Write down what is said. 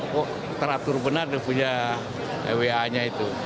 kok teratur benar dia punya wa nya itu